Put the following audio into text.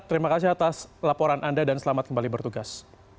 terima kasih atas laporan anda dan selamat kembali bertugas